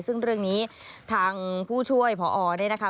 ซึ่งเรื่องนี้ทางผู้ช่วยพอเนี่ยนะคะ